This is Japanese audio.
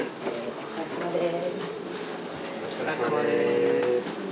お疲れさまです。